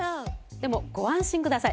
でもご安心ください。